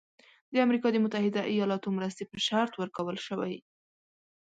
د امریکا د متحده ایالاتو مرستې په شرط ورکول شوی.